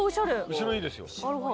後ろいいですよ。